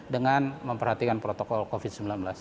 dengan memperhatikan protokol covid sembilan belas